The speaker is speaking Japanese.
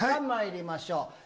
まいりましょう。